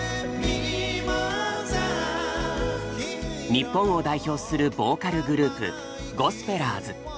日本を代表するボーカルグループゴスペラーズ。